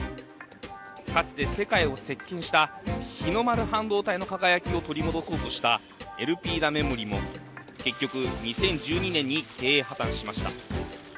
かつて世界を席巻した日の丸半導体の輝きを取り戻そうとしたエルピーダメモリも結局、２０１２年に経営破綻しました。